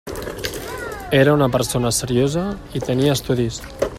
Era persona seriosa i tenia estudis.